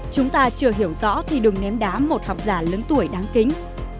chúng ta chưa hiểu rõ thì đừng ném đá một học giả lớn tuổi đáng kính